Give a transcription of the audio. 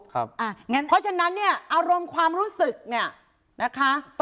เพราะฉะนั้นอารมณ์ความรู้สึก